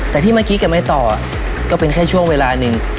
แต่ที่เมื่อกี้กับไอ้ต่อก็เป็นแค่ช่วงเวลานิน